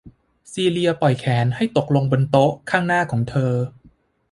ซีเลียปล่อยแขนให้ตกลงบนโต๊ะข้างหน้าของเธอ